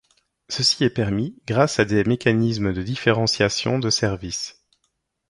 Ceci est permis grâce à des mécanismes de différenciation de services.